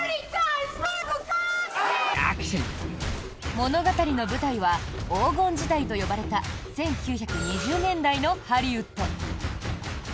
物語の舞台は黄金時代と呼ばれた１９２０年代のハリウッド。